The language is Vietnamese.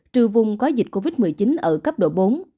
trừ vùng có dịch covid một mươi chín ở cấp độ bốn